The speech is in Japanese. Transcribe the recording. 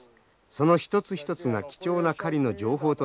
その一つ一つが貴重な狩りの情報となるのです。